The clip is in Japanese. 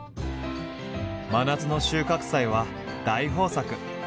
真夏の収穫祭は大豊作！